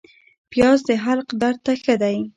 پیاز د حلق درد ته ښه دی